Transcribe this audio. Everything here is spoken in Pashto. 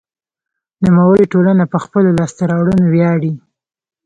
نوموړې ټولنه په خپلو لاسته راوړنو ویاړي.